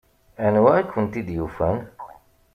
Anwa i kent-id-yufan?